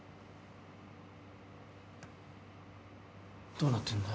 どうなってんだ？